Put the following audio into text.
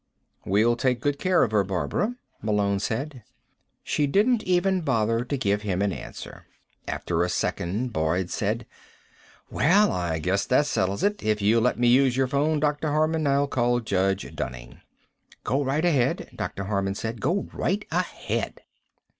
"We'll take good care of her, Barbara," Malone said. She didn't even bother to give him an answer. After a second Boyd said: "Well, I guess that settles it. If you'll let me use your phone, Dr. Harman, I'll call Judge Dunning." "Go right ahead," Dr. Harman said. "Go right ahead."